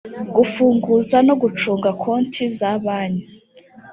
gufunguza no gucunga konti za banki